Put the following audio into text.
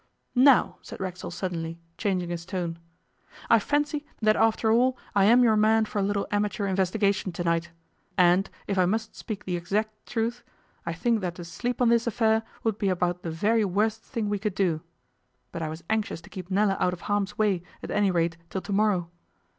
'Now,' said Racksole suddenly, changing his tone, 'I fancy that after all I'm your man for a little amateur investigation to night. And, if I must speak the exact truth, I think that to sleep on this affair would be about the very worst thing we could do. But I was anxious to keep Nella out of harm's way at any rate till to morrow.